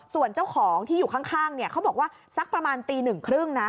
ส่วนเจ้าของที่อยู่ข้างเขาบอกว่าสักประมาณตีหนึ่งครึ่งนะ